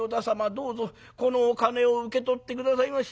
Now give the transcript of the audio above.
どうぞこのお金を受け取って下さいまし」。